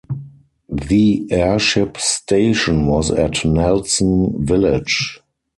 The Airship Station was at Nelson Village.